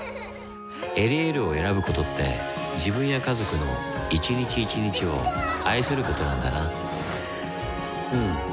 「エリエール」を選ぶことって自分や家族の一日一日を愛することなんだなうん。